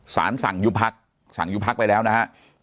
สารสั่งยุบพักสั่งยุบพักไปแล้วนะฮะ